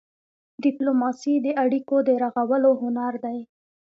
ډيپلوماسي د اړیکو د رغولو هنر دی.